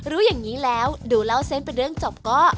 รู้อย่างนี้แล้วดูเล่าเส้นเป็นเรื่องจบก็